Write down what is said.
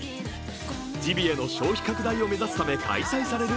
ジビエの消費拡大を目指すために開催される